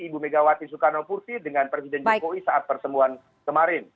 ibu megawati soekarnoputri dengan presiden jokowi saat persembuhan kemarin